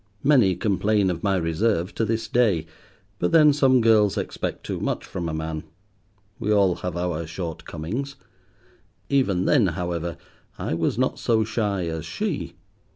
Many complain of my reserve to this day, but then some girls expect too much from a man. We all have our shortcomings. Even then, however, I was not so shy as she.